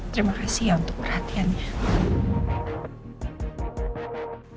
terima kasih ya untuk perhatiannya